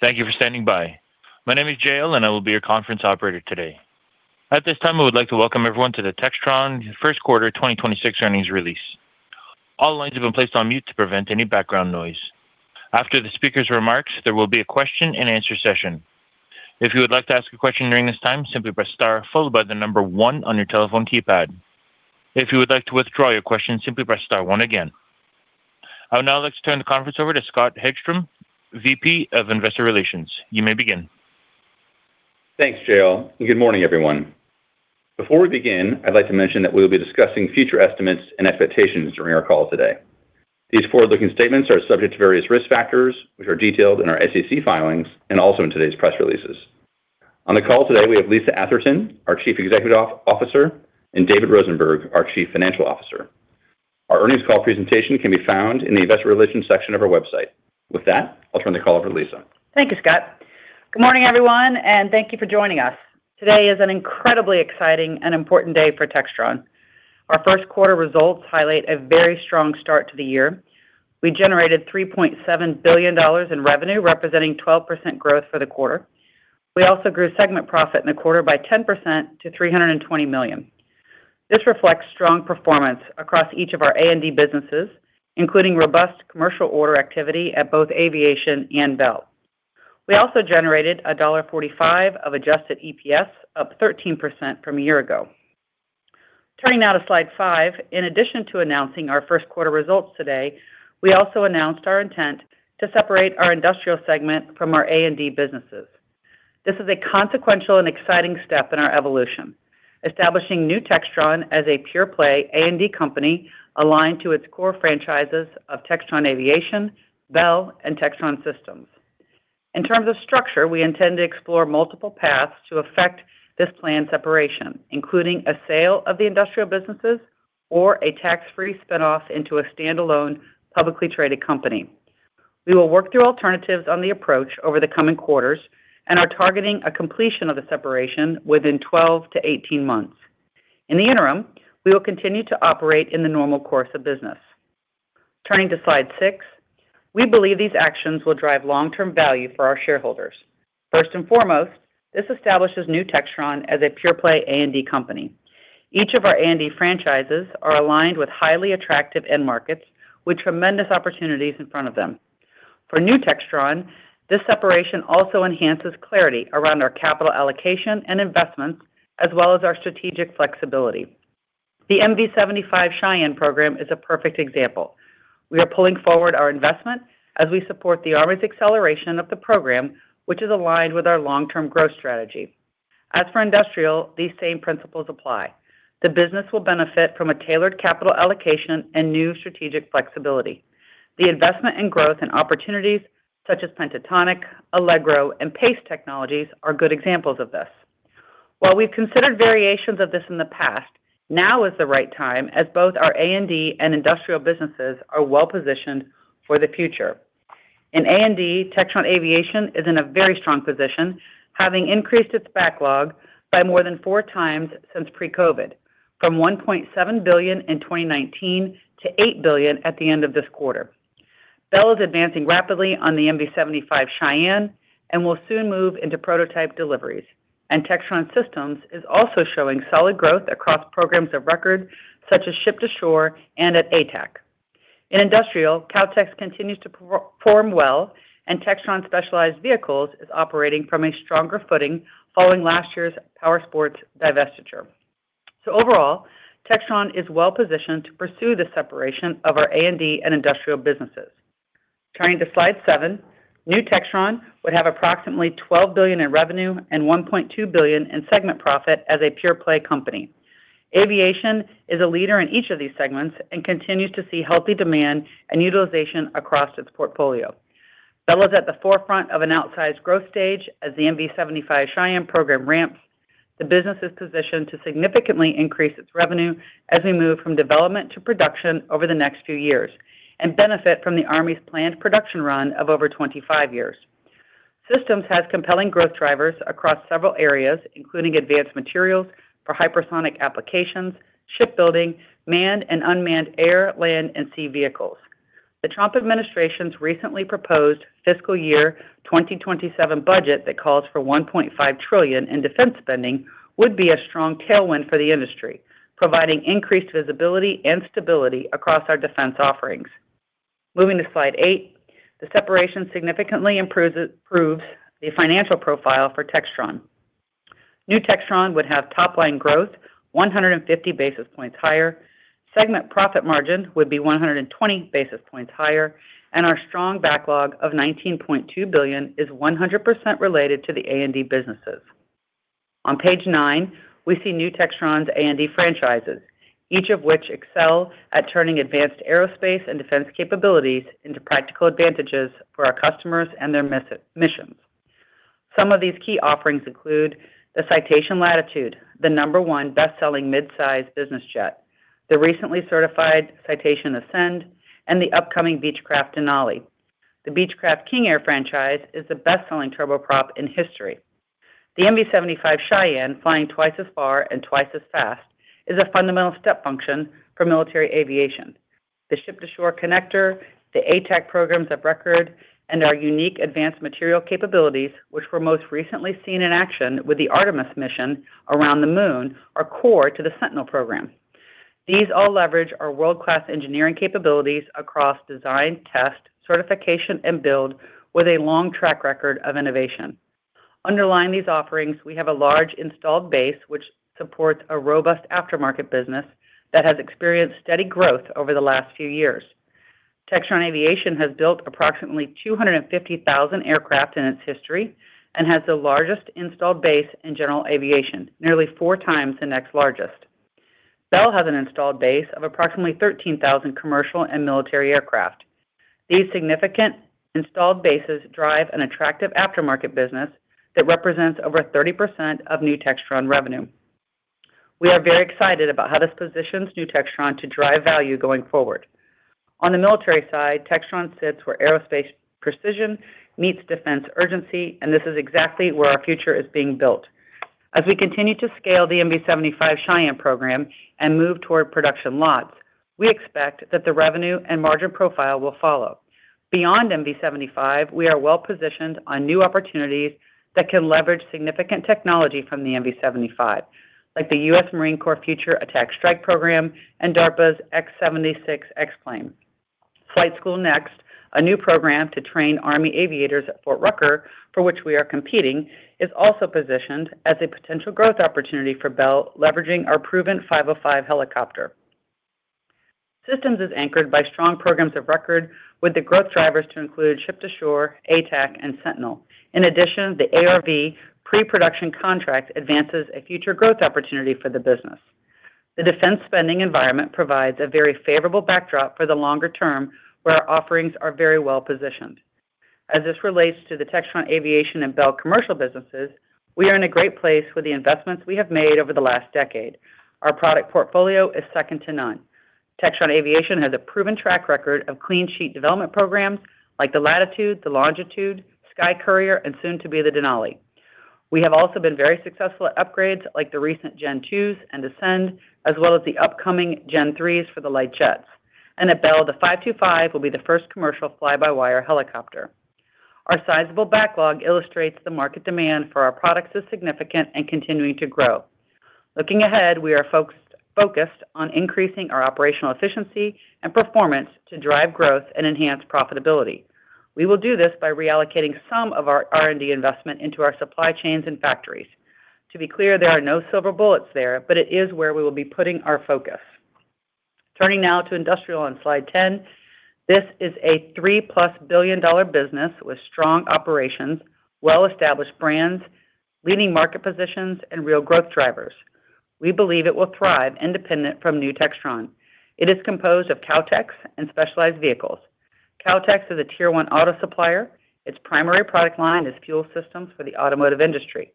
Thank you for standing by. My name is Jael. I will be your conference operator today. At this time, I would like to welcome everyone to the Textron first quarter 2026 earnings release. All lines have been placed on mute to prevent any background noise. After the speaker's remarks, there will be a question and answer session. If you would like to ask a question during this time, simply press star followed by one on your telephone keypad. If you would like to withdraw your question, simply press star one again. I would now like to turn the conference over to Scott Hegstrom, VP of Investor Relations. You may begin. Thanks, Jael. Good morning, everyone. Before we begin, I'd like to mention that we will be discussing future estimates and expectations during our call today. These forward-looking statements are subject to various risk factors, which are detailed in our SEC filings and also in today's press releases. On the call today, we have Lisa Atherton, our Chief Executive Officer, and David Rosenberg, our Chief Financial Officer. Our earnings call presentation can be found in the investor relations section of our website. With that, I'll turn the call over to Lisa. Thank you, Scott. Good morning, everyone, and thank you for joining us. Today is an incredibly exciting and important day for Textron. Our first quarter results highlight a very strong start to the year. We generated $3.7 billion in revenue, representing 12% growth for the quarter. We also grew segment profit in the quarter by 10% to $320 million. This reflects strong performance across each of our A&D businesses, including robust commercial order activity at both Aviation and Bell. We also generated $1.45 of adjusted EPS, up 13% from a year ago. Turning now to slide five, in addition to announcing our first quarter results today, we also announced our intent to separate our industrial segment from our A&D businesses. This is a consequential and exciting step in our evolution, establishing new Textron as a pure-play A&D company aligned to its core franchises of Textron Aviation, Bell, and Textron Systems. In terms of structure, we intend to explore multiple paths to affect this planned separation, including a sale of the industrial businesses or a tax-free spin-off into a standalone publicly traded company. We will work through alternatives on the approach over the coming quarters and are targeting a completion of the separation within 12 months-18 months. In the interim, we will continue to operate in the normal course of business. Turning to slide six, we believe these actions will drive long-term value for our shareholders. First and foremost, this establishes new Textron as a pure-play A&D company. Each of our A&D franchises are aligned with highly attractive end markets with tremendous opportunities in front of them. For new Textron, this separation also enhances clarity around our capital allocation and investments, as well as our strategic flexibility. The MV-75 Cheyenne program is a perfect example. We are pulling forward our investment as we support the Army's acceleration of the program, which is aligned with our long-term growth strategy. Industrial, these same principles apply. The business will benefit from a tailored capital allocation and new strategic flexibility. The investment in growth and opportunities such as Pentatonic, Allegro, and PACE Technologies are good examples of this. We've considered variations of this in the past, now is the right time as both our A&D and industrial businesses are well-positioned for the future. In A&D, Textron Aviation is in a very strong position, having increased its backlog by more than four times since pre-COVID, from $1.7 billion in 2019 to $8 billion at the end of this quarter. Bell is advancing rapidly on the MV-75 Cheyenne II and will soon move into prototype deliveries. Textron Systems is also showing solid growth across programs of record, such as Ship-to-Shore Connector and at ATAC. In industrial, Kautex continues to perform well, and Textron Specialized Vehicles is operating from a stronger footing following last year's Powersports divestiture. Overall, Textron is well-positioned to pursue the separation of our A&D and industrial businesses. Turning to slide seven, new Textron would have approximately $12 billion in revenue and $1.2 billion in segment profit as a pure-play company. Aviation is a leader in each of these segments and continues to see healthy demand and utilization across its portfolio. Bell is at the forefront of an outsized growth stage as the MV-75 Cheyenne II program ramps. The business is positioned to significantly increase its revenue as we move from development to production over the next few years and benefit from the Army's planned production run of over 25 years. Textron Systems has compelling growth drivers across several areas, including advanced materials for hypersonic applications, shipbuilding, manned and unmanned air, land, and sea vehicles. The Trump administration's recently proposed fiscal year 2027 budget that calls for $1.5 trillion in defense spending would be a strong tailwind for the industry, providing increased visibility and stability across our defense offerings. Moving to slide eight, the separation significantly improves the financial profile for Textron. New Textron would have top-line growth 150 basis points higher. Segment profit margin would be 120 basis points higher. Our strong backlog of $19.2 billion is 100% related to the A&D businesses. On page nine, we see New Textron's A&D franchises, each of which excel at turning advanced aerospace and defense capabilities into practical advantages for our customers and their missions. Some of these key offerings include the Citation Latitude, the number one best-selling mid-size business jet, the recently certified Citation Ascend, and the upcoming Beechcraft Denali. The Beechcraft King Air franchise is the best-selling turboprop in history. The MV-75 Cheyenne II flying twice as far and twice as fast is a fundamental step function for military aviation. The Ship-to-Shore Connector, the ATAC programs of record, and our unique advanced material capabilities, which were most recently seen in action with the Artemis mission around the moon, are core to the Sentinel program. These all leverage our world-class engineering capabilities across design, test, certification, and build, with a long track record of innovation. Underlying these offerings, we have a large installed base which supports a robust aftermarket business that has experienced steady growth over the last few years. Textron Aviation has built approximately 250,000 aircraft in its history and has the largest installed base in general aviation, nearly 4x the next largest. Bell has an installed base of approximately 13,000 commercial and military aircraft. These significant installed bases drive an attractive aftermarket business that represents over 30% of new Textron revenue. We are very excited about how this positions new Textron to drive value going forward. On the military side, Textron sits where aerospace precision meets defense urgency, and this is exactly where our future is being built. As we continue to scale the MV-75 Cheyenne program and move toward production lots, we expect that the revenue and margin profile will follow. Beyond MV-75, we are well-positioned on new opportunities that can leverage significant technology from the MV-75, like the U.S. Marine Corps Future Attack Strike program and DARPA's X-76 X-plane. Flight School Next, a new program to train U.S. Army aviators at Fort Rucker, for which we are competing, is also positioned as a potential growth opportunity for Bell, leveraging our proven 505 helicopter. Systems is anchored by strong programs of record with the growth drivers to include ship-to-shore, ATAC, and Sentinel. In addition, the ARV pre-production contract advances a future growth opportunity for the business. The defense spending environment provides a very favorable backdrop for the longer term, where our offerings are very well-positioned. As this relates to the Textron Aviation and Bell commercial businesses, we are in a great place with the investments we have made over the last decade. Our product portfolio is second to none. Textron Aviation has a proven track record of clean sheet development programs like the Citation Latitude, the Citation Longitude, SkyCourier, and soon to be the Denali. We have also been very successful at upgrades like the recent Gen2s and Citation Ascends, as well as the upcoming Gen3s for the light jets. At Bell, the Bell 525 will be the first commercial fly-by-wire helicopter. Our sizable backlog illustrates the market demand for our products is significant and continuing to grow. Looking ahead, we are focused on increasing our operational efficiency and performance to drive growth and enhance profitability. We will do this by reallocating some of our R&D investment into our supply chains and factories. To be clear, there are no silver bullets there. It is where we will be putting our focus. Turning now to Industrial on slide 10, this is a $3 billion+ business with strong operations, well-established brands, leading market positions, and real growth drivers. We believe it will thrive independent from New Textron. It is composed of Kautex and Textron Specialized Vehicles. Kautex is a Tier 1 auto supplier. Its primary product line is fuel systems for the automotive industry.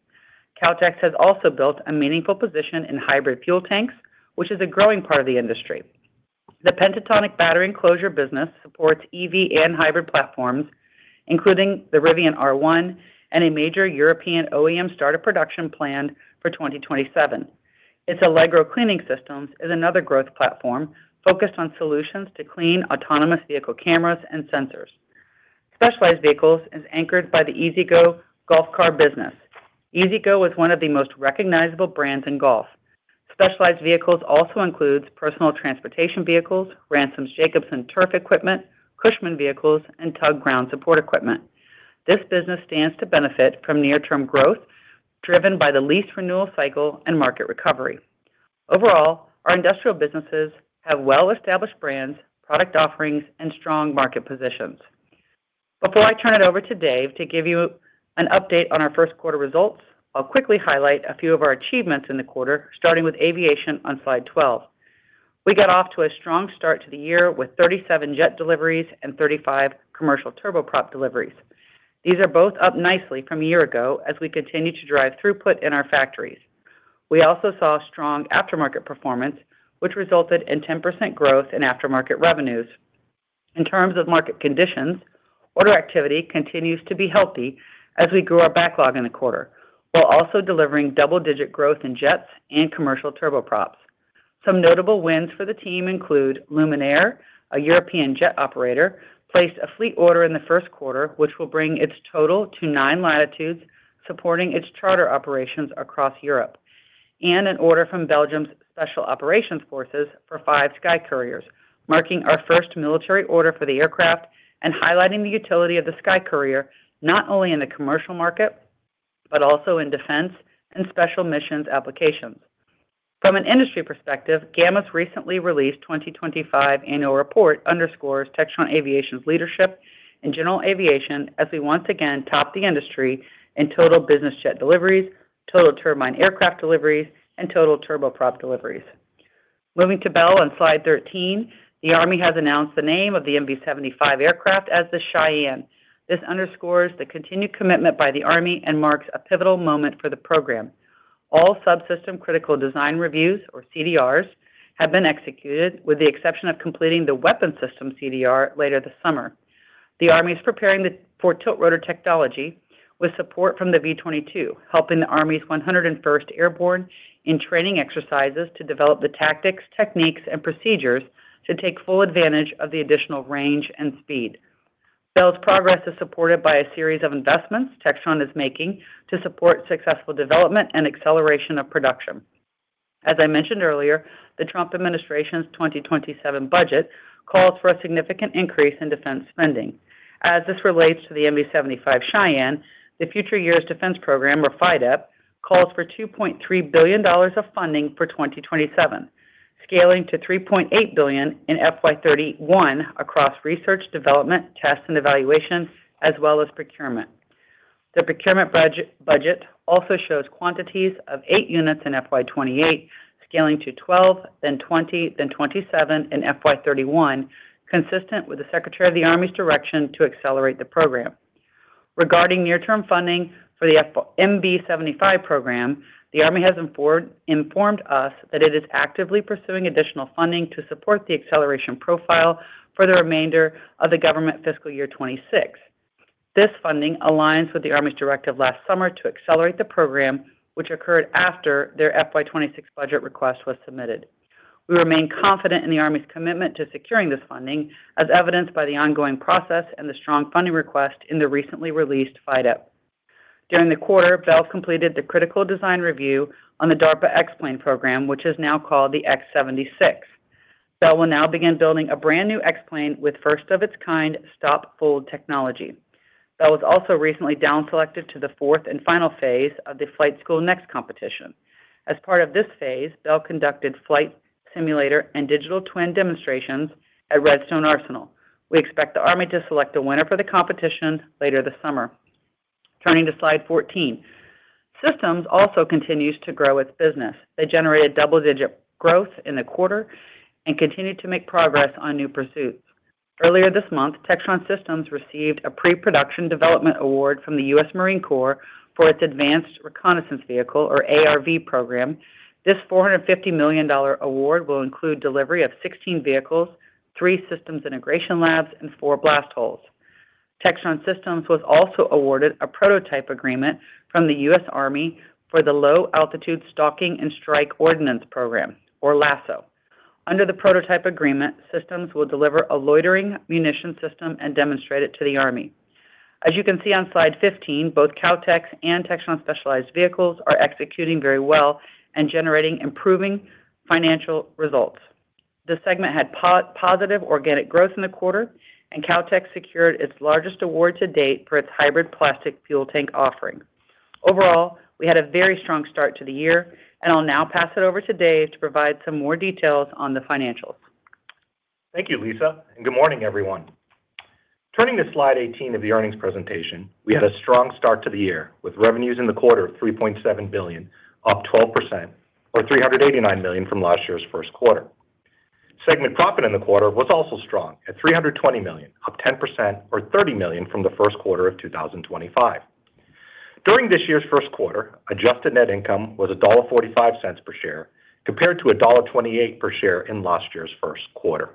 Kautex has also built a meaningful position in hybrid fuel tanks, which is a growing part of the industry. The Kautex battery enclosure business supports EV and hybrid platforms, including the Rivian R1 and a major European OEM startup production planned for 2027. Its Allegro cleaning systems is another growth platform focused on solutions to clean autonomous vehicle cameras and sensors. Specialized Vehicles is anchored by the E-Z-GO golf car business. E-Z-GO is one of the most recognizable brands in golf. Specialized Vehicles also includes personal transportation vehicles, Ransomes Jacobsen turf equipment, Cushman vehicles, and TUG ground support equipment. This business stands to benefit from near-term growth driven by the lease renewal cycle and market recovery. Overall, our industrial businesses have well-established brands, product offerings, and strong market positions. Before I turn it over to David Rosenberg to give you an update on our first quarter results, I'll quickly highlight a few of our achievements in the quarter, starting with Aviation on slide 12. We got off to a strong start to the year with 37 jet deliveries and 35 commercial turboprop deliveries. These are both up nicely from a year ago as we continue to drive throughput in our factories. We also saw strong aftermarket performance, which resulted in 10% growth in aftermarket revenues. In terms of market conditions, order activity continues to be healthy as we grew our backlog in the quarter, while also delivering double-digit growth in jets and commercial turboprops. Some notable wins for the team include LUMINAIR, a European jet operator, placed a fleet order in the first quarter which will bring its total to nine Latitudes, supporting its charter operations across Europe, and an order from Belgium's Special Operations Forces for five SkyCouriers, marking our first military order for the aircraft and highlighting the utility of the SkyCourier, not only in the commercial market, but also in defense and special missions applications. From an industry perspective, Gama's recently released 2025 annual report underscores Textron Aviation's leadership in general aviation as we once again top the industry in total business jet deliveries, total turbine aircraft deliveries, and total turboprop deliveries. Moving to Bell on slide 13, the Army has announced the name of the MV-75 aircraft as the Cheyenne. This underscores the continued commitment by the Army and marks a pivotal moment for the program. All subsystem critical design reviews or CDRs have been executed with the exception of completing the weapon system CDR later this summer. The Army is preparing for tiltrotor technology with support from the V-22, helping the Army's 101st Airborne in training exercises to develop the tactics, techniques, and procedures to take full advantage of the additional range and speed. Bell's progress is supported by a series of investments Textron is making to support successful development and acceleration of production. As I mentioned earlier, the Trump administration's 2027 budget calls for a significant increase in defense spending. As this relates to the MV-75 Cheyenne, the Future Years Defense Program, or FYDP, calls for $2.3 billion of funding for 2027, scaling to $3.8 billion in FY 2031 across research, development, test, and evaluation, as well as procurement. The procurement budget also shows quantities of eight units in FY 2028, scaling to 12, then 20, then 27 in FY 2031, consistent with the Secretary of the Army's direction to accelerate the program. Regarding near-term funding for the MV-75 program, the Army has informed us that it is actively pursuing additional funding to support the acceleration profile for the remainder of the government fiscal year 2026. This funding aligns with the Army's directive last summer to accelerate the program, which occurred after their FY 2026 budget request was submitted. We remain confident in the Army's commitment to securing this funding, as evidenced by the ongoing process and the strong funding request in the recently released FYDP. During the quarter, Bell completed the critical design review on the DARPA X-plane program, which is now called the X-76. Bell will now begin building a brand-new X-plane with first-of-its-kind stop-fold technology. Bell was also recently down selected to the fourth and final phase of the Flight School Next competition. As part of this phase, Bell conducted flight simulator and digital twin demonstrations at Redstone Arsenal. We expect the Army to select a winner for the competition later this summer. Turning to slide 14. Systems also continues to grow its business. They generated double-digit growth in the quarter and continued to make progress on new pursuits. Earlier this month, Textron Systems received a pre-production development award from the U.S. Marine Corps for its Advanced Reconnaissance Vehicle, or ARV, program. This $450 million award will include delivery of 16 vehicles, three systems integration labs, and four blast holes. Textron Systems was also awarded a prototype agreement from the U.S. Army for the Low Altitude Stalking and Strike Ordnance program, or LASSO. Under the prototype agreement, Systems will deliver a loitering munition system and demonstrate it to the Army. As you can see on slide 15, both Kautex and Textron Specialized Vehicles are executing very well and generating improving financial results. The segment had positive organic growth in the quarter, and Kautex secured its largest award to date for its hybrid plastic fuel tank offering. Overall, we had a very strong start to the year. I'll now pass it over to Dave to provide some more details on the financials. Thank you, Lisa, and good morning, everyone. Turning to slide 18 of the earnings presentation, we had a strong start to the year with revenues in the quarter of $3.7 billion, up 12% or $389 million from last year's first quarter. Segment profit in the quarter was also strong at $320 million, up 10% or $30 million from the first quarter of 2025. During this year's first quarter, adjusted net income was $1.45 per share compared to $1.28 per share in last year's first quarter.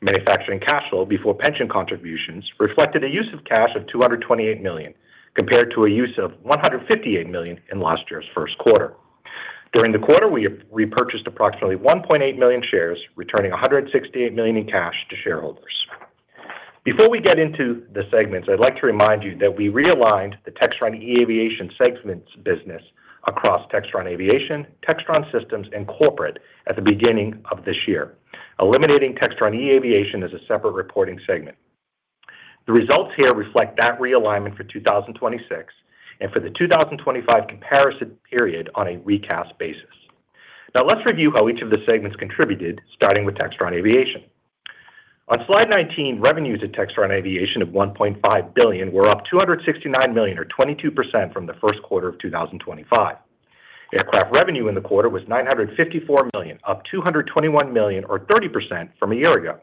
Manufacturing cash flow before pension contributions reflected a use of cash of $228 million, compared to a use of $158 million in last year's first quarter. During the quarter, we repurchased approximately 1.8 million shares, returning $168 million in cash to shareholders. Before we get into the segments, I'd like to remind you that we realigned the Textron eAviation segment's business across Textron Aviation, Textron Systems, and Corporate at the beginning of this year, eliminating Textron eAviation as a separate reporting segment. The results here reflect that realignment for 2026 and for the 2025 comparison period on a recast basis. Let's review how each of the segments contributed, starting with Textron Aviation. On slide 19, revenues at Textron Aviation of $1.5 billion were up $269 million or 22% from the first quarter of 2025. Aircraft revenue in the quarter was $954 million, up $221 million or 30% from a year ago.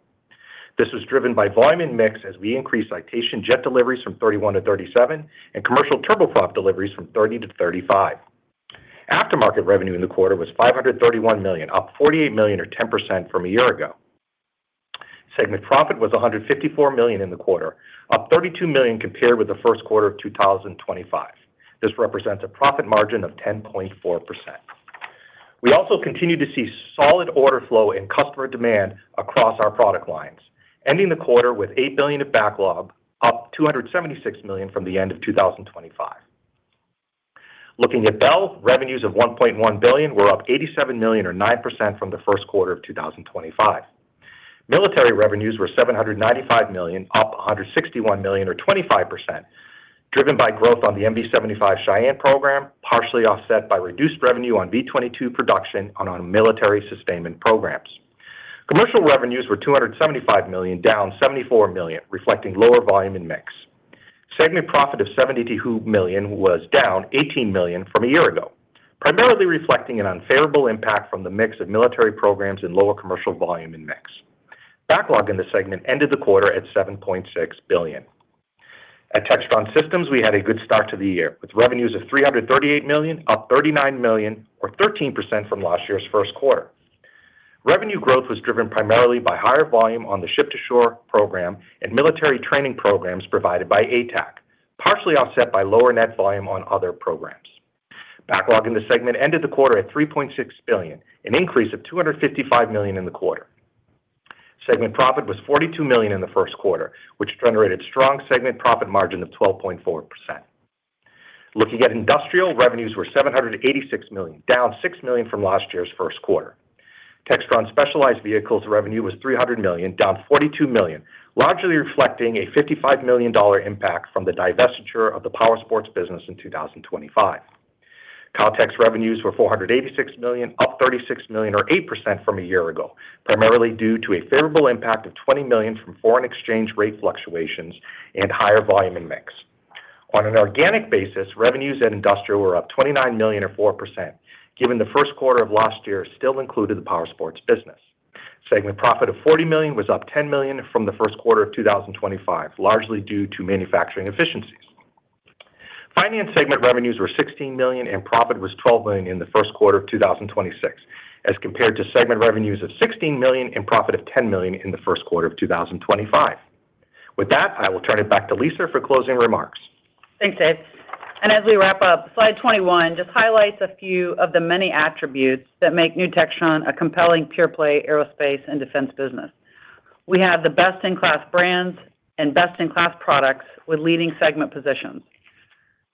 This was driven by volume and mix as we increased Citation jet deliveries from 31 to 37 and commercial Turboprop deliveries from 30 to 35. Aftermarket revenue in the quarter was $531 million, up $48 million or 10% from a year ago. Segment profit was $154 million in the quarter, up $32 million compared with the first quarter of 2025. This represents a profit margin of 10.4%. We also continued to see solid order flow and customer demand across our product lines, ending the quarter with $8 billion of backlog, up $276 million from the end of 2025. Looking at Bell, revenues of $1.1 billion were up $87 million or 9% from the first quarter of 2025. Military revenues were $795 million, up $161 million or 25%, driven by growth on the MV-75 Cheyenne program, partially offset by reduced revenue on V-22 production on our military sustainment programs. Commercial revenues were $275 million, down $74 million, reflecting lower volume and mix. Segment profit of $72 million was down $18 million from a year ago, primarily reflecting an unfavorable impact from the mix of military programs and lower commercial volume and mix. Backlog in the segment ended the quarter at $7.6 billion. At Textron Systems, we had a good start to the year with revenues of $338 million, up $39 million or 13% from last year's first quarter. Revenue growth was driven primarily by higher volume on the ship-to-shore program and military training programs provided by ATAC, partially offset by lower net volume on other programs. Backlog in the segment ended the quarter at $3.6 billion, an increase of $255 million in the quarter. Segment profit was $42 million in the first quarter, which generated strong segment profit margin of 12.4%. Looking at Industrial, revenues were $786 million, down $6 million from last year's first quarter. Textron Specialized Vehicles revenue was $300 million, down $42 million, largely reflecting a $55 million impact from the divestiture of the Powersports business in 2025. Kautex revenues were $486 million, up $36 million or 8% from a year ago, primarily due to a favorable impact of $20 million from foreign exchange rate fluctuations and higher volume and mix. On an organic basis, revenues at industrial were up $29 million or 4%, given the first quarter of last year still included the Powersports business. Segment profit of $40 million was up $10 million from the first quarter of 2025, largely due to manufacturing efficiencies. Finance segment revenues were $16 million and profit was $12 million in the first quarter of 2026, as compared to segment revenues of $16 million and profit of $10 million in the first quarter of 2025. With that, I will turn it back to Lisa for closing remarks. Thanks, Dave. As we wrap up, slide 21 just highlights a few of the many attributes that make New Textron a compelling pure-play aerospace and defense business. We have the best-in-class brands and best-in-class products with leading segment positions.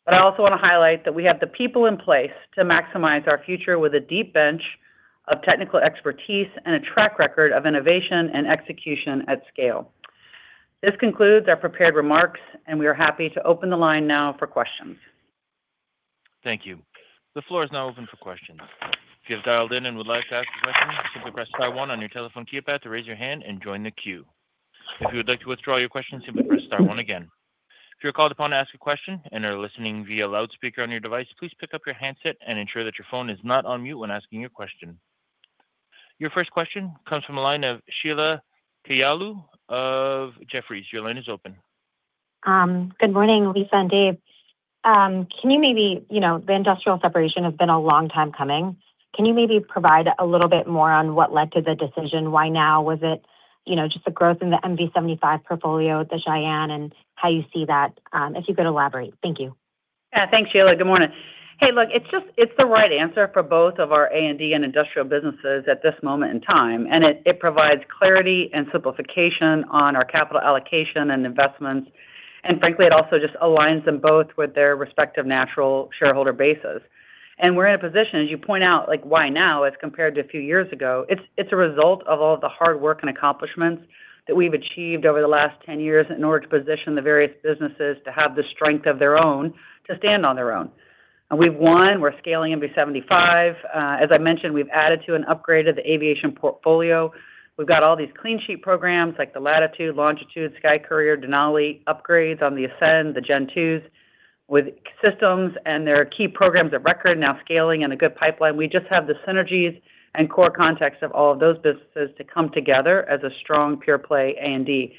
I also want to highlight that we have the people in place to maximize our future with a deep bench of technical expertise and a track record of innovation and execution at scale. This concludes our prepared remarks, and we are happy to open the line now for questions. Thank you. The floor is now open for questions. If you have dialed in and would like to ask a question, simply press star one on your telephone keypad to raise your hand and join the queue. If you would like to withdraw your question, simply press star one again. If you're called upon to ask a question and are listening via loudspeaker on your device, please pick up your handset and ensure that your phone is not on mute when asking your question. Your first question comes from the line of Sheila Kahyaoglu of Jefferies. Your line is open. Good morning, Lisa and Dave. Can you maybe, you know, the industrial separation has been a long time coming? Can you maybe provide a little bit more on what led to the decision? Why now? Was it, you know, just the growth in the MV-75 portfolio with the Cheyenne and how you see that, if you could elaborate? Thank you. Yeah. Thanks, Sheila. Good morning. Hey, look, it's the right answer for both of our A&D and industrial businesses at this moment in time, and it provides clarity and simplification on our capital allocation and investments. Frankly, it also just aligns them both with their respective natural shareholder bases. We're in a position, as you point out, like why now as compared to a few years ago, it's a result of all the hard work and accomplishments that we've achieved over the last 10 years in order to position the various businesses to have the strength of their own to stand on their own. We've won. We're scaling MV-75. As I mentioned, we've added to and upgraded the aviation portfolio. We've got all these clean sheet programs like the Latitude, Longitude, SkyCourier, Denali upgrades on the Ascend, the Gen2s with systems and their key programs of record now scaling in a good pipeline. We just have the synergies and core context of all of those businesses to come together as a strong pure play A&D.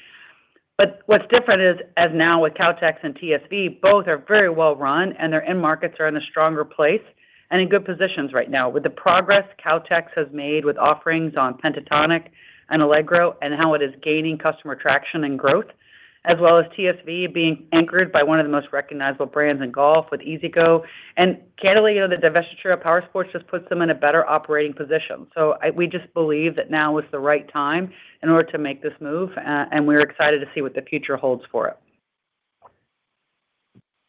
What's different is as now with Kautex and TSV, both are very well run and their end markets are in a stronger place and in good positions right now. With the progress Kautex has made with offerings on Pentatonic and Allegro and how it is gaining customer traction and growth, as well as TSV being anchored by one of the most recognizable brands in golf with E-Z-GO. Candidly, you know, the divestiture of Powersports just puts them in a better operating position. We just believe that now is the right time in order to make this move, and we're excited to see what the future holds for it.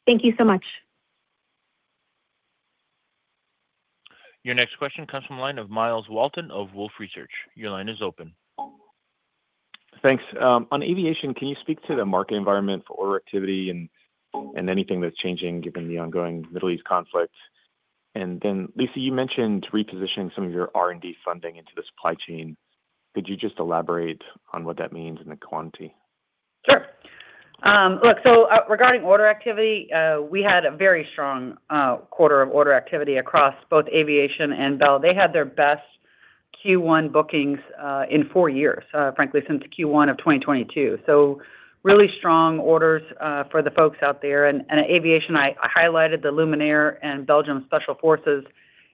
Thank you so much. Your next question comes from the line of Myles Walton of Wolfe Research. Your line is open. Thanks. On aviation, can you speak to the market environment for order activity and anything that's changing given the ongoing Middle East conflict? Lisa, you mentioned repositioning some of your R&D funding into the supply chain. Could you just elaborate on what that means in the quantity? Sure. Regarding order activity, we had a very strong quarter of order activity across both Textron Aviation and Bell. They had their best Q1 bookings in four years, frankly, since Q1 of 2022. Really strong orders for the folks out there. Textron Aviation, I highlighted the LUMINAIR and Belgium Special Forces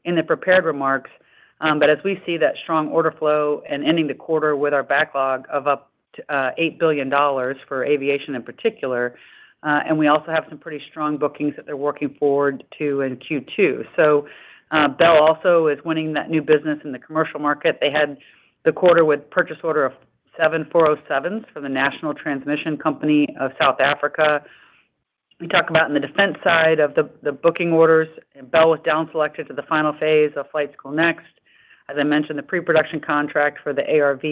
in the prepared remarks. As we see that strong order flow and ending the quarter with our backlog of up to $8 billion for Textron Aviation in particular, we also have some pretty strong bookings that they're working forward to in Q2. Bell also is winning that new business in the commercial market. They had the quarter with purchase order of seven 407s for the National Transmission Company of South Africa. We talk about in the Defense side of the booking orders, Bell was down selected to the final phase of Flight School Next. As I mentioned, the pre-production contract for the ARV,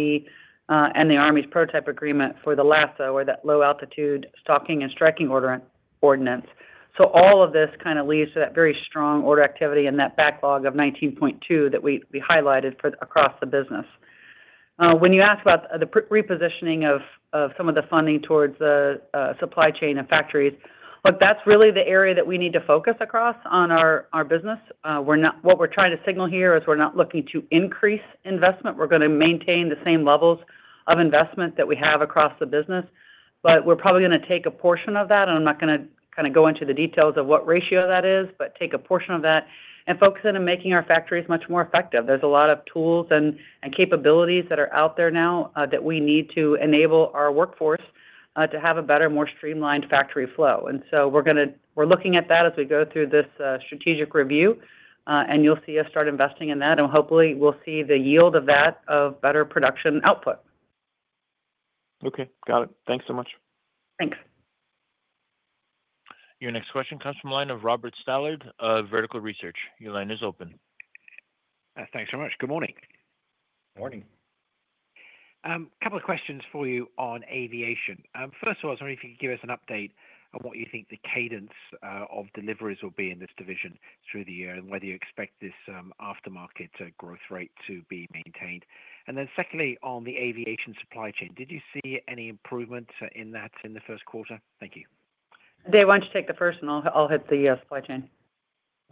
and the Army's prototype agreement for the LASSO or that Low Altitude Stalking and Strike Ordnance. All of this kind of leads to that very strong order activity and that backlog of $19.2 million that we highlighted across the business. When you ask about the repositioning of some of the funding towards the supply chain and factories. Look, that's really the area that we need to focus across on our business. What we're trying to signal here is we're not looking to increase investment. We're gonna maintain the same levels of investment that we have across the business, but we're probably gonna take a portion of that, and I'm not gonna kinda go into the details of what ratio that is, but take a portion of that and focus in on making our factories much more effective. There's a lot of tools and capabilities that are out there now that we need to enable our workforce to have a better, more streamlined factory flow. We're looking at that as we go through this strategic review. You'll see us start investing in that, and hopefully we'll see the yield of that of better production output. Okay. Got it. Thanks so much. Thanks. Your next question comes from the line of Robert Stallard of Vertical Research. Your line is open. Thanks so much. Good morning. Morning. Couple of questions for you on aviation. First of all, I was wondering if you could give us an update on what you think the cadence of deliveries will be in this division through the year, and whether you expect this aftermarket growth rate to be maintained. Secondly, on the aviation supply chain, did you see any improvement in that in the first quarter? Thank you. Dave, why don't you take the first and I'll hit the supply chain.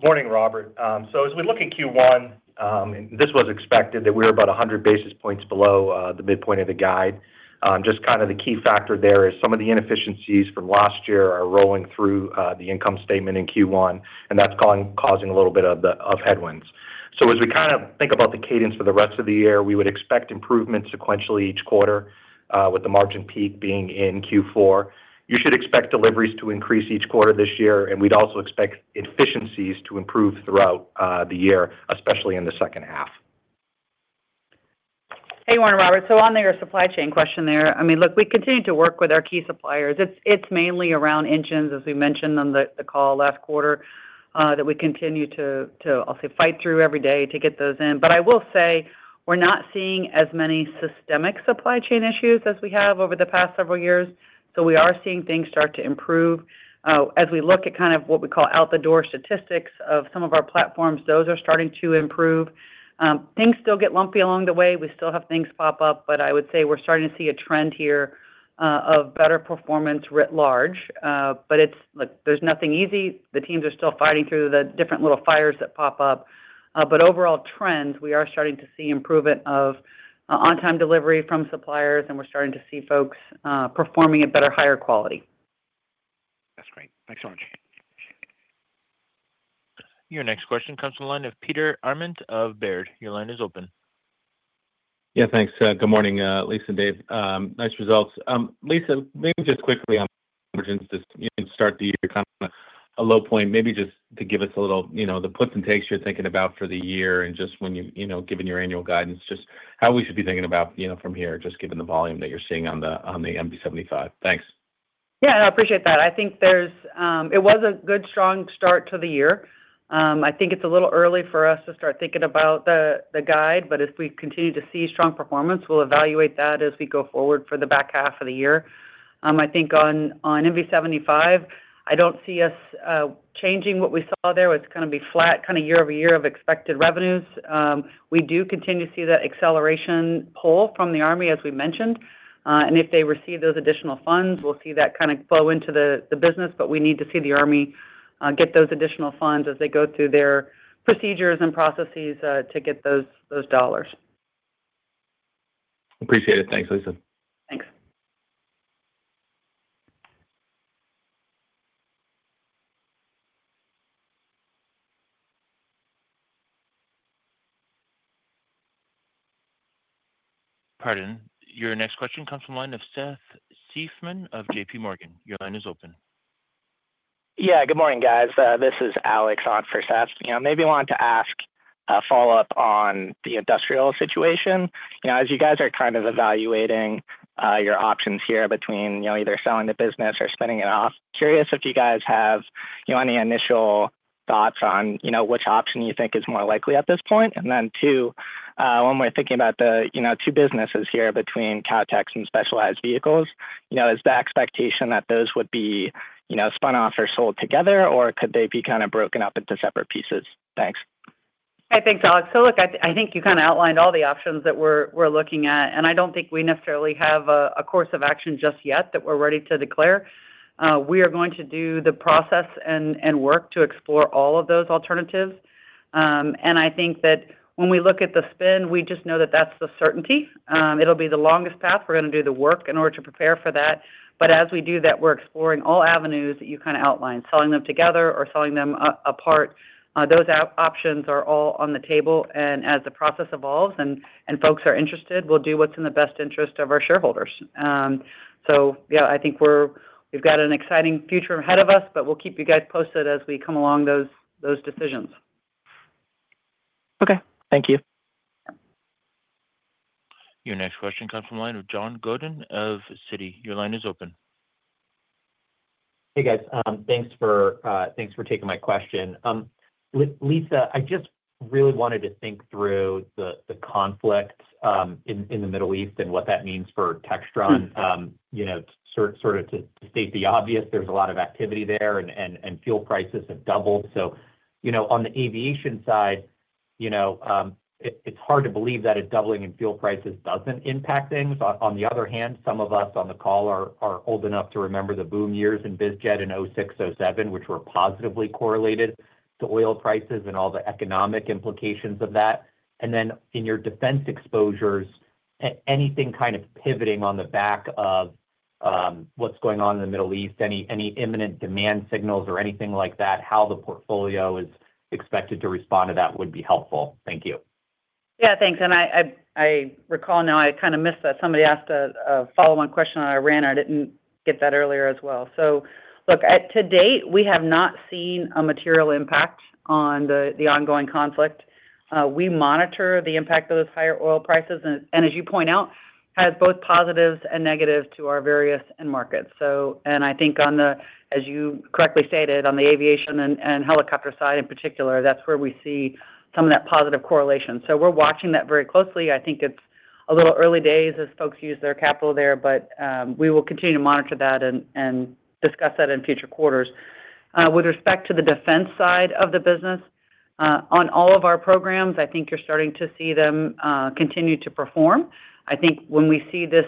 Morning, Robert. As we look at Q1, this was expected that we're about 100 basis points below the midpoint of the guide. Just kind of the key factor there is some of the inefficiencies from last year are rolling through the income statement in Q1, that's causing a little bit of the headwinds. As we kind of think about the cadence for the rest of the year, we would expect improvements sequentially each quarter, with the margin peak being in Q4. You should expect deliveries to increase each quarter this year, we'd also expect efficiencies to improve throughout the year, especially in the second half. Hey, morning, Robert. On your supply chain question there, I mean, look, we continue to work with our key suppliers. It's mainly around engines, as we mentioned on the call last quarter, that we continue to, I'll say, fight through every day to get those in. I will say we're not seeing as many systemic supply chain issues as we have over the past several years, so we are seeing things start to improve. As we look at kind of what we call out the door statistics of some of our platforms, those are starting to improve. Things still get lumpy along the way. We still have things pop up, but I would say we're starting to see a trend here of better performance writ large. But look, there's nothing easy. The teams are still fighting through the different little fires that pop up. Overall trends, we are starting to see improvement of on-time delivery from suppliers, and we're starting to see folks performing at better, higher quality. That's great. Thanks so much. Your next question comes from the line of Peter Arment of Baird. Your line is open. Thanks. Good morning, Lisa and Dave. Nice results. Lisa, maybe just quickly on margins, just you start the year kind of on a low point, maybe just to give us a little, you know, the puts and takes you're thinking about for the year and just when you know, given your annual guidance, just how we should be thinking about, you know, from here, just given the volume that you're seeing on the MV-75? Thanks. Yeah, I appreciate that. It was a good, strong start to the year. I think it's a little early for us to start thinking about the guide, but as we continue to see strong performance, we'll evaluate that as we go forward for the back half of the year. I think on MV-75, I don't see us changing what we saw there. It's gonna be flat, kinda year-over-year, of expected revenues. If they receive those additional funds, we'll see that kind of flow into the business, but we need to see the Army get those additional funds as they go through their procedures and processes to get those dollars. Appreciate it. Thanks, Lisa. Thanks. Pardon. Your next question comes from line of Seth Seifman of JP Morgan. Your line is open. Yeah. Good morning, guys. This is Alex on for Seth. You know, maybe wanted to ask a follow-up on the industrial situation. You know, as you guys are kind of evaluating your options here between, you know, either selling the business or spinning it off, curious if you guys have, you know, any initial thoughts on, you know, which option you think is more likely at this point? Two, when we're thinking about the, you know, two businesses here between Kautex and Specialized Vehicles, you know, is the expectation that those would be, you know, spun off or sold together, or could they be kind of broken up into separate pieces? Thanks. Hey, thanks, Alex. Look, I think you kind of outlined all the options that we're looking at, and I don't think we necessarily have a course of action just yet that we're ready to declare. We are going to do the process and work to explore all of those alternatives. I think that when we look at the spin, we just know that that's the certainty. It'll be the longest path. We're going to do the work in order to prepare for that. As we do that, we're exploring all avenues that you kind of outlined, selling them together or selling them apart. Those options are all on the table, and as the process evolves and folks are interested, we'll do what's in the best interest of our shareholders. Yeah, I think we've got an exciting future ahead of us, but we'll keep you guys posted as we come along those decisions. Okay. Thank you. Your next question comes from line of John Godyn of Citi. Your line is open. Hey, guys. Thanks for taking my question. Lisa, I just really wanted to think through the conflict in the Middle East and what that means for Textron. You know, sort of to state the obvious, there's a lot of activity there and fuel prices have doubled. You know, on the aviation side. You know, it's hard to believe that a doubling in fuel prices doesn't impact things. On the other hand, some of us on the call are old enough to remember the boom years in biz jet in 2006, 2007, which were positively correlated to oil prices and all the economic implications of that. In your defense exposures, anything kind of pivoting on the back of what's going on in the Middle East, any imminent demand signals or anything like that, how the portfolio is expected to respond to that would be helpful. Thank you. Yeah, thanks. I recall now, I kind of missed that. Somebody asked a follow-on question, I ran, or I didn't get that earlier as well. Look, to date, we have not seen a material impact on the ongoing conflict. We monitor the impact of those higher oil prices and as you point out, has both positives and negatives to our various end markets. I think on the as you correctly stated, on the aviation and helicopter side in particular, that's where we see some of that positive correlation. We're watching that very closely. I think it's a little early days as folks use their capital there, but we will continue to monitor that and discuss that in future quarters. With respect to the defense side of the business, on all of our programs, I think you're starting to see them continue to perform. I think when we see this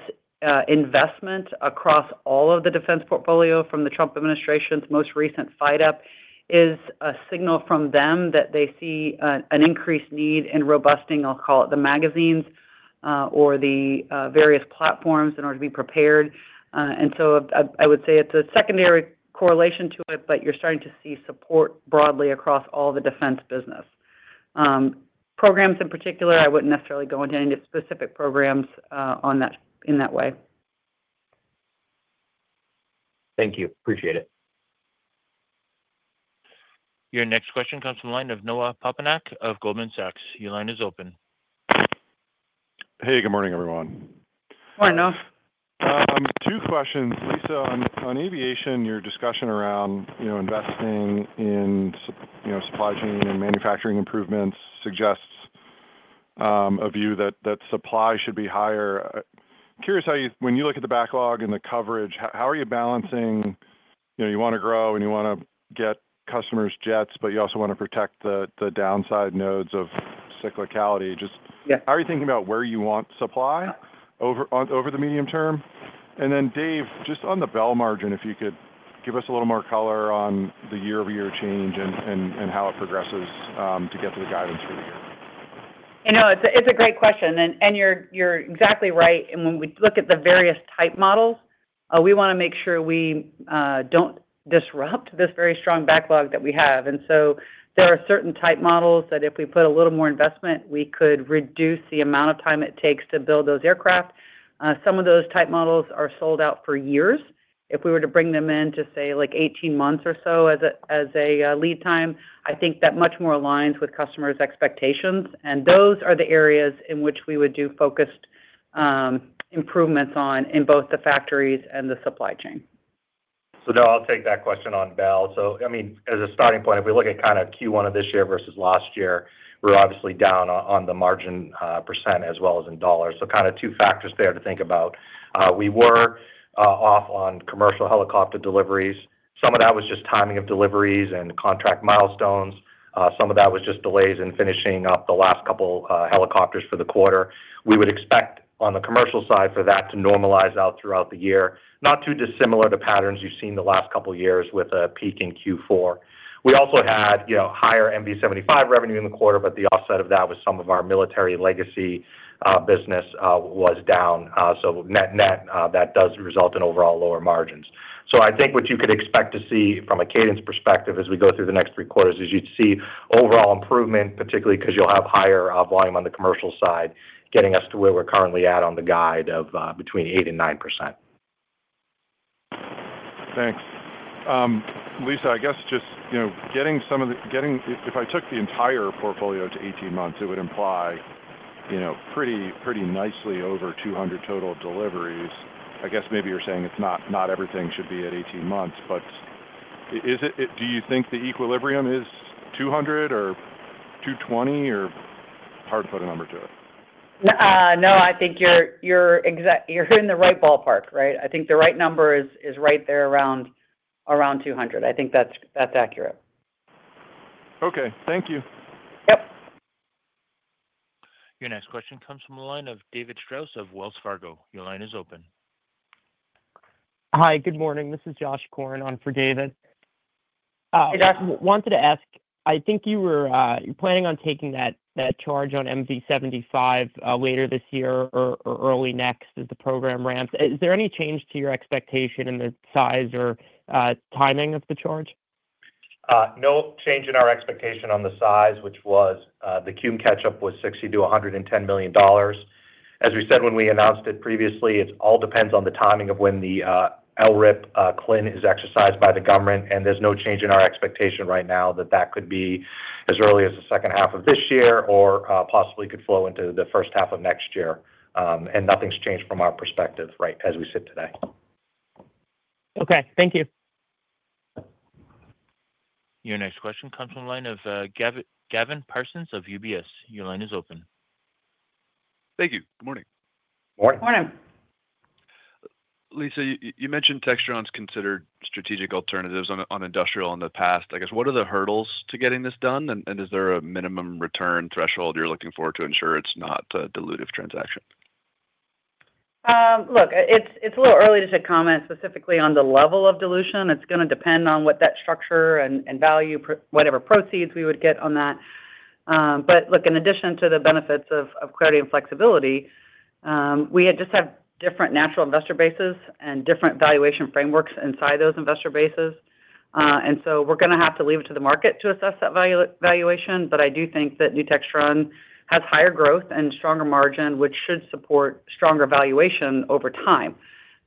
investment across all of the defense portfolio from the Trump administration's most recent fight up is a signal from them that they see an increased need in robusting, I'll call it, the magazines, or the various platforms in order to be prepared. I would say it's a secondary correlation to it, but you're starting to see support broadly across all the defense business. Programs in particular, I wouldn't necessarily go into any specific programs on that, in that way. Thank you. Appreciate it. Your next question comes from the line of Noah Poponak of Goldman Sachs. Your line is open. Hey, good morning, everyone. Morning, Noah. Two questions. Lisa, on aviation, your discussion around, you know, investing in you know, supply chain and manufacturing improvements suggests a view that supply should be higher. Curious. When you look at the backlog and the coverage, how are you balancing, you know, you want to grow and you want to get customers jets, but you also want to protect the downside nodes of cyclicality? Yeah... How are you thinking about where you want supply over the medium term? Then Dave, just on the Bell margin, if you could give us a little more color on the year-over-year change and how it progresses to get to the guidance for the year. You know, it's a great question and you're exactly right. When we look at the various type models, we want to make sure we don't disrupt this very strong backlog that we have. There are certain type models that if we put a little more investment, we could reduce the amount of time it takes to build those aircraft. Some of those type models are sold out for years. If we were to bring them in to say like 18 months or so as a lead time, I think that much more aligns with customers' expectations. Those are the areas in which we would do focused improvements on in both the factories and the supply chain. Noah, I'll take that question on Bell. I mean, as a starting point, if we look at kind of Q1 of this year versus last year, we're obviously down on the margin, percent as well as in dollar. Kind of two factors there to think about. We were off on commercial helicopter deliveries. Some of that was just timing of deliveries and contract milestones. Some of that was just delays in finishing up the last couple helicopters for the quarter. We would expect on the commercial side for that to normalize out throughout the year. Not too dissimilar to patterns you've seen the last couple of years with a peak in Q4. We also had, you know, higher MV-75 revenue in the quarter, but the offset of that was some of our military legacy business was down. Net, net, that does result in overall lower margins. I think what you could expect to see from a cadence perspective as we go through the next three quarters is you'd see overall improvement, particularly because you'll have higher volume on the commercial side, getting us to where we're currently at on the guide of between 8% and 9%. Thanks. Lisa, I guess just, you know, if I took the entire portfolio to 18 months, it would imply, you know, pretty nicely over 200 total deliveries. I guess maybe you're saying it's not everything should be at 18 months, but do you think the equilibrium is 200 or 220 or hard to put a number to it? No, I think you're hitting the right ballpark, right? I think the right number is right there around 200. I think that's accurate. Okay. Thank you. Yep. Your next question comes from the line of David Strauss of Wells Fargo. Your line is open. Hi, good morning. This is Josh Cohen on for David. Hey, Josh. Wanted to ask, I think you were planning on taking that charge on MV-75 later this year or early next as the program ramps. Is there any change to your expectation in the size or timing of the charge? No change in our expectation on the size, which was the cumulative catch-up was $60 million-$110 million. As we said when we announced it previously, it all depends on the timing of when the LRIP CLIN is exercised by the government. There's no change in our expectation right now that that could be as early as the second half of this year or possibly could flow into the first half of next year. Nothing's changed from our perspective right as we sit today. Okay. Thank you. Your next question comes from the line of Gavin Parsons of UBS. Your line is open. Thank you. Good morning. Morning. Lisa, you mentioned Textron's considered strategic alternatives on industrial in the past. I guess, what are the hurdles to getting this done? Is there a minimum return threshold you're looking for to ensure it's not a dilutive transaction? Look, it's a little early to comment specifically on the level of dilution. It's gonna depend on what that structure and value whatever proceeds we would get on that. Look, in addition to the benefits of clarity and flexibility, we had just have different natural investor bases and different valuation frameworks inside those investor bases. We're gonna have to leave it to the market to assess that valuation. I do think that new Textron has higher growth and stronger margin, which should support stronger valuation over time.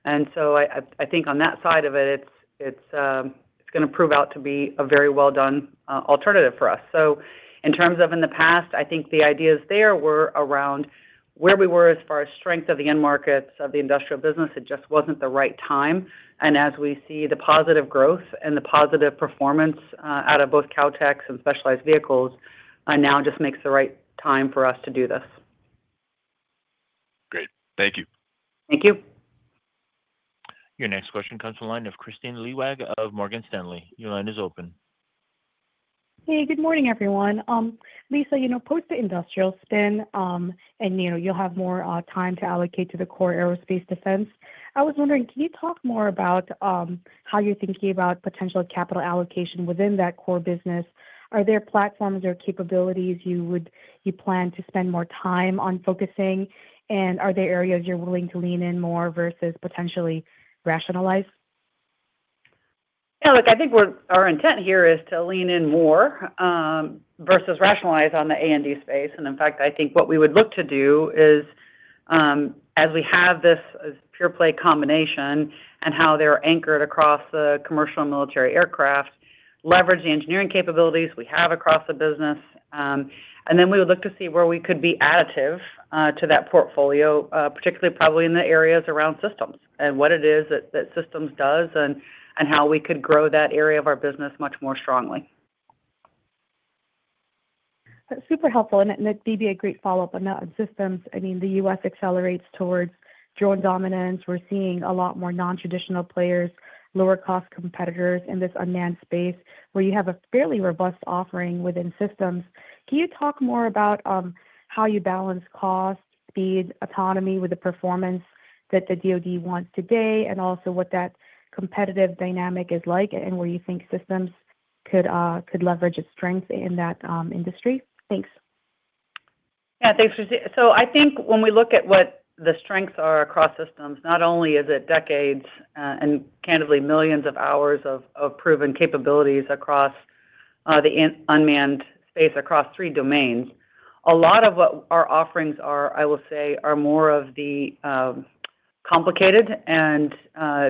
I think on that side of it's, it's gonna prove out to be a very well done alternative for us. In terms of in the past, I think the ideas there were around where we were as far as strength of the end markets of the industrial business. It just wasn't the right time. As we see the positive growth and the positive performance out of both Kautex and Specialized Vehicles, now just makes the right time for us to do this. Great. Thank you. Thank you. Your next question comes from line of Kristine Liwag of Morgan Stanley. Your line is open. Hey, good morning, everyone. Lisa, you know, post the industrial spin, and you know, you'll have more time to allocate to the core Aerospace and Defense. I was wondering, can you talk more about how you're thinking about potential capital allocation within that core business? Are there platforms or capabilities you plan to spend more time on focusing? Are there areas you're willing to lean in more versus potentially rationalize? Yeah, look, I think our intent here is to lean in more versus rationalize on the A&D space. In fact, I think what we would look to do is, as we have this pure play combination and how they're anchored across the commercial military aircraft, leverage the engineering capabilities we have across the business. Then we would look to see where we could be additive to that portfolio, particularly probably in the areas around systems and what it is that systems does and how we could grow that area of our business much more strongly. That's super helpful. It'd be a great follow-up on that Systems. I mean, the U.S. accelerates towards drone dominance. We're seeing a lot more non-traditional players, lower cost competitors in this unmanned space where you have a fairly robust offering within Systems. Can you talk more about how you balance cost, speed, autonomy with the performance that the DoD wants today, and also what that competitive dynamic is like, and where you think Systems could leverage its strength in that industry? Thanks. Yeah, thanks, Kristine. I think when we look at what the strengths are across Systems, not only is it decades, and candidly, millions of hours of proven capabilities across the unmanned space across three domains. A lot of what our offerings are, I will say, are more of the complicated and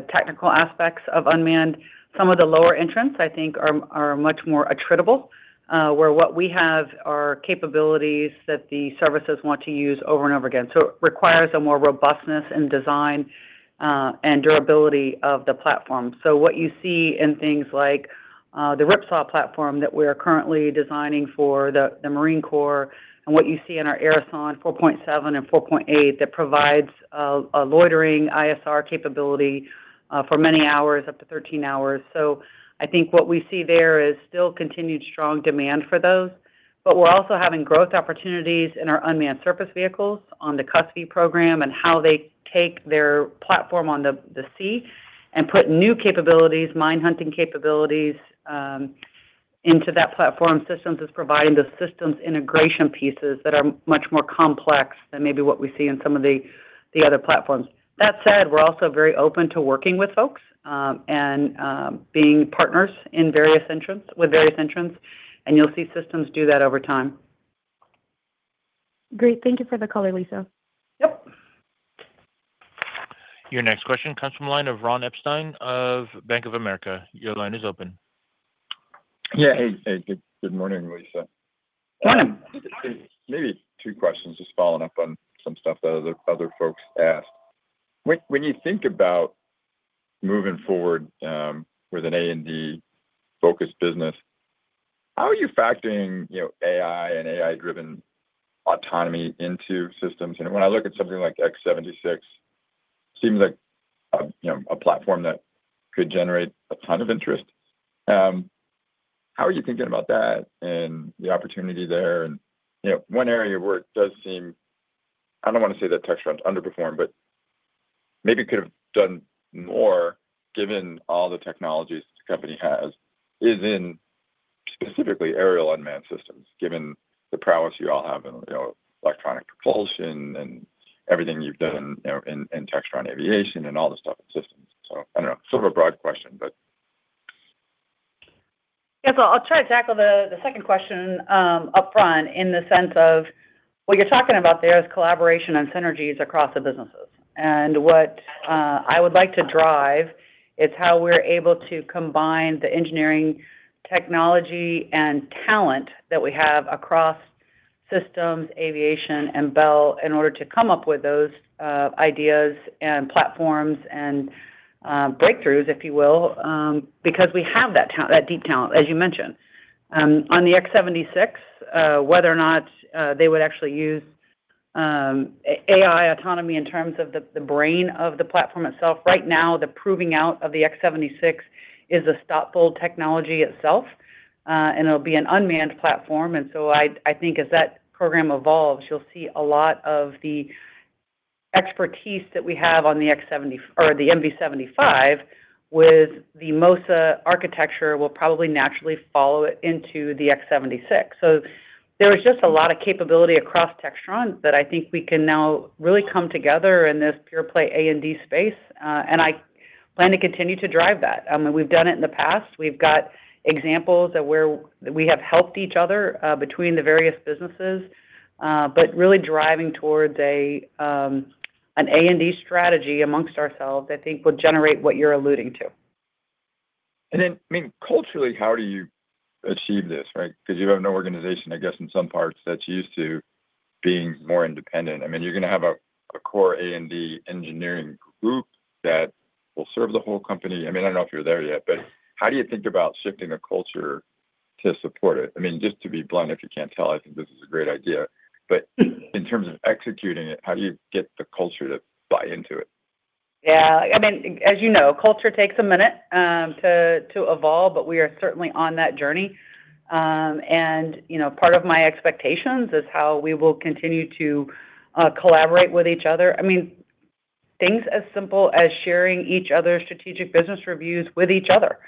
technical aspects of unmanned. Some of the lower entrants, I think are much more attritable, where what we have are capabilities that the services want to use over and over again. It requires a more robustness in design, and durability of the platform. What you see in things like the RIPSAW platform that we're currently designing for the Marine Corps and what you see in our Aerosonde 4.7 and 4.8 that provides a loitering ISR capability for many hours, up to 13 hours. I think what we see there is still continued strong demand for those, but we're also having growth opportunities in our unmanned surface vehicles on the CUSV program and how they take their platform on the sea and put new capabilities, mine hunting capabilities into that platform. Textron Systems is providing the systems integration pieces that are much more complex than maybe what we see in some of the other platforms. That said, we're also very open to working with folks, and being partners with various entrants, and you'll see Systems do that over time. Great. Thank you for the color, Lisa. Yep. Your next question comes from line of Ron Epstein of Bank of America. Your line is open. Yeah. Hey, hey. Good morning, Lisa. Morning. Maybe two questions, just following up on some stuff that other folks asked. When you think about moving forward with an A&D-focused business, how are you factoring, you know, AI and AI-driven autonomy into systems? You know, when I look at something like X-76, seems like a, you know, a platform that could generate a ton of interest. How are you thinking about that and the opportunity there? You know, one area where it does seem, I don't wanna say that Textron's underperformed, but maybe could have done more given all the technologies the company has, is in specifically aerial unmanned systems, given the prowess you all have in, you know, electronic propulsion and everything you've done, you know, in Textron Aviation and all the stuff in systems. I don't know, sort of a broad question, but. I'll try to tackle the second question upfront in the sense of what you're talking about there is collaboration and synergies across the businesses. What I would like to drive is how we're able to combine the engineering technology and talent that we have across Textron Systems, Textron Aviation, and Bell in order to come up with those ideas and platforms and breakthroughs, if you will. Because we have that deep talent, as you mentioned. On the X-76, whether or not they would actually use AI autonomy in terms of the brain of the platform itself. Right now, the proving out of the X-76 is a stop-fold technology itself, and it'll be an unmanned platform. I think as that program evolves, you'll see a lot of the expertise that we have on the MV-75 with the MOSA architecture will probably naturally follow it into the X-76. There is just a lot of capability across Textron that I think we can now really come together in this pure play A&D space. I plan to continue to drive that. I mean, we've done it in the past. We've got examples of where we have helped each other between the various businesses, really driving towards an A&D strategy amongst ourselves, I think will generate what you're alluding to. I mean, culturally, how do you achieve this, right? Because you have no organization, I guess, in some parts that's used to being more independent. I mean, you're gonna have a core A&D engineering group that will serve the whole company. I mean, I don't know if you're there yet, but how do you think about shifting a culture to support it? I mean, just to be blunt, if you can't tell, I think this is a great idea. In terms of executing it, how do you get the culture to buy into it? Yeah. I mean, as you know, culture takes a minute to evolve, but we are certainly on that journey. You know, part of my expectations is how we will continue to collaborate with each other. I mean, things as simple as sharing each other's strategic business reviews with each other.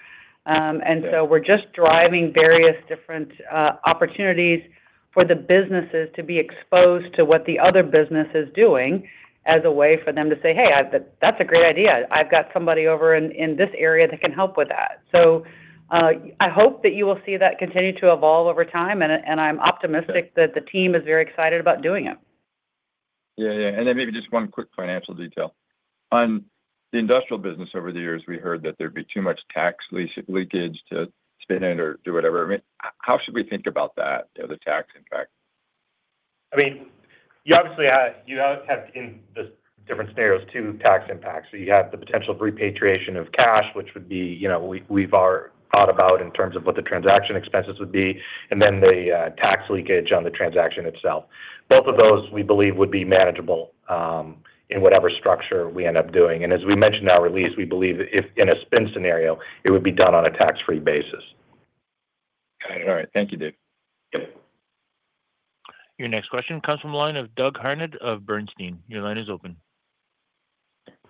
Yeah. We're just driving various different opportunities for the businesses to be exposed to what the other business is doing as a way for them to say, "Hey, that's a great idea. I've got somebody over in this area that can help with that." I hope that you will see that continue to evolve over time, and I'm optimistic that the team is very excited about doing it. Yeah, yeah. Maybe just one quick financial detail. On the industrial business over the years, we heard that there'd be too much tax leakage to spin it or do whatever. I mean, how should we think about that, you know, the tax impact? I mean, you obviously have different scenarios to tax impact. You have the potential repatriation of cash, which would be, you know, we've are thought about in terms of what the transaction expenses would be, then the tax leakage on the transaction itself. Both of those, we believe, would be manageable in whatever structure we end up doing. As we mentioned in our release, we believe if in a spin scenario, it would be done on a tax-free basis. Got it. All right. Thank you, Dave. Yep. Your next question comes from the line of Doug Harned of Bernstein. Your line is open.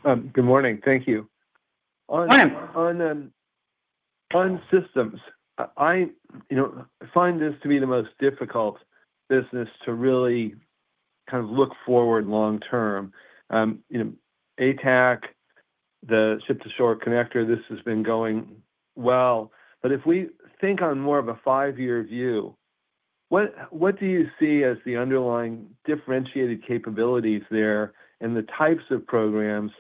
Good morning. Thank you. Hi. On systems, I, you know, find this to be the most difficult business to really kind of look forward long term. You know, ATAC, the Ship-to-Shore Connector, this has been going well. If we think on more of a five-year view, what do you see as the underlying differentiated capabilities there and the types of programs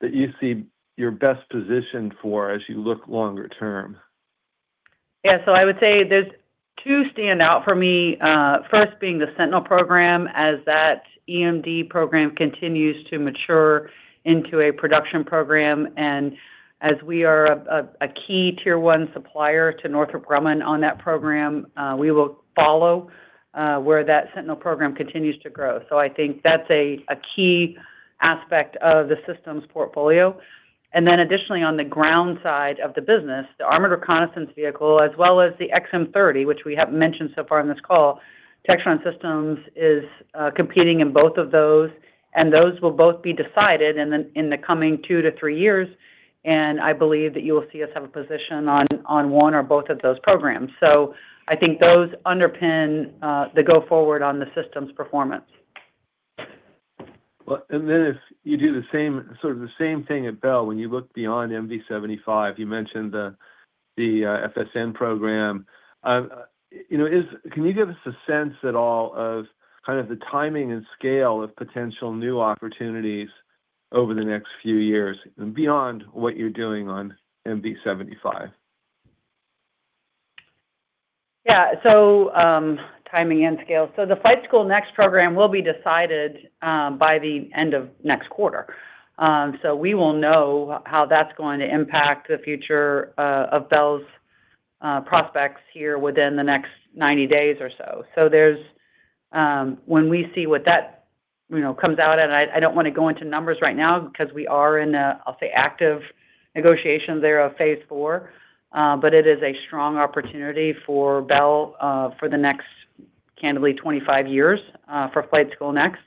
that you see you're best positioned for as you look longer term? Yeah. I would say there's two stand out for me, first being the Sentinel program as that EMD program continues to mature into a production program. As we are a key tier one supplier to Northrop Grumman on that program, we will follow where that Sentinel program continues to grow. I think that's a key aspect of the systems portfolio. Additionally, on the ground side of the business, the Advanced Reconnaissance Vehicle, as well as the XM30, which we haven't mentioned so far in this call, Textron Systems is competing in both of those, and those will both be decided in the coming two-three years. I believe that you will see us have a position on one or both of those programs. I think those underpin the go forward on the systems performance. If you do the same, sort of the same thing at Bell, when you look beyond MV-75, you mentioned the FSN program. You know, can you give us a sense at all of kind of the timing and scale of potential new opportunities over the next few years and beyond what you're doing on MV-75? Yeah. Timing and scale. The Flight School Next program will be decided by the end of next quarter. We will know how that's going to impact the future of Bell's prospects here within the next 90 days or so. There's when we see what that, you know, comes out, and I don't wanna go into numbers right now because we are in a, I'll say, active negotiations there of phase four. It is a strong opportunity for Bell for the next, candidly, 25 years for Flight School Next.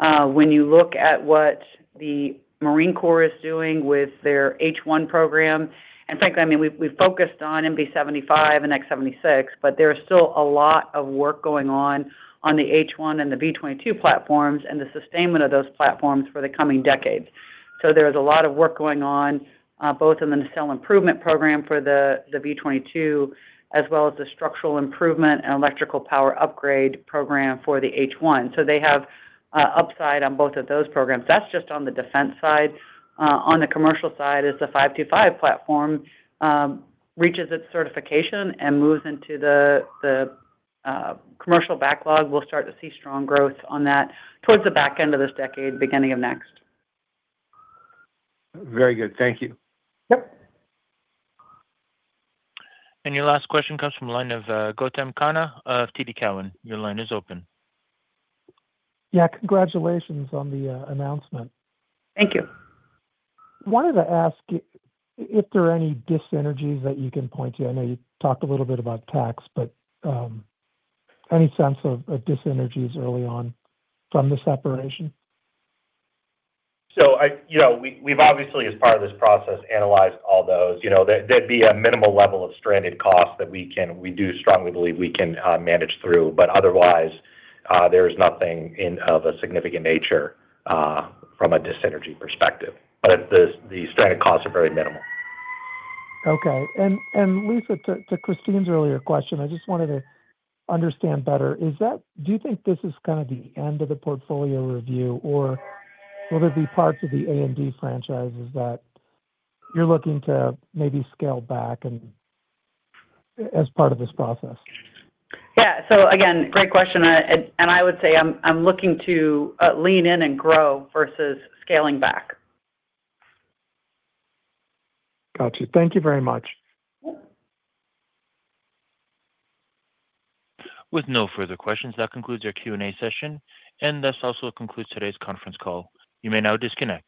When you look at what the Marine Corps is doing with their H1 program. In fact, I mean, we've focused on MV-75 and X-76, but there is still a lot of work going on on the H-1 and the V-22 platforms and the sustainment of those platforms for the coming decades. There is a lot of work going on both in the Nacelle Improvement Program for the V-22, as well as the Structural Improvement and Electrical Power Upgrade program for the H-1. They have upside on both of those programs. That's just on the defense side. On the commercial side is the 525 platform reaches its certification and moves into the commercial backlog. We'll start to see strong growth on that towards the back end of this decade, beginning of next. Very good. Thank you. Yep. Your last question comes from the line of Gautam Khanna of TD Cowen. Your line is open. Yeah. Congratulations on the announcement. Thank you. Wanted to ask if there are any dysenergies that you can point to. I know you talked a little bit about tax, but any sense of dysenergies early on from the separation? I, you know, we've obviously, as part of this process, analyzed all those. You know, there'd be a minimal level of stranded costs that we do strongly believe we can manage through. Otherwise, there is nothing in of a significant nature from a dis-synergy perspective. The stranded costs are very minimal. Okay. Lisa, to Kristine's earlier question, I just wanted to understand better. Do you think this is kind of the end of the portfolio review, or will there be parts of the A&D franchises that you're looking to maybe scale back as part of this process? Yeah. Again, great question. I would say I'm looking to lean in and grow versus scaling back. Got you. Thank you very much. Yep. With no further questions, that concludes our Q&A session, and this also concludes today's conference call. You may now disconnect.